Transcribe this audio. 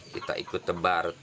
kita ikut tebar